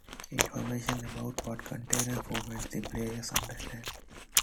Information about what container formats the players understand.